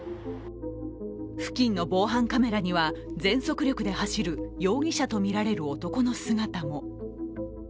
付近の防犯カメラには全速力で走る容疑者とみられる男の姿も。